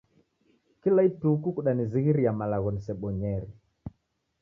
Kila ituku kudanizighiria malagho nisebonyere